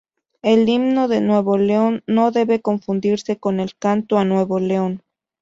El Himno de Nuevo León no debe confundirse con el "Canto a Nuevo León".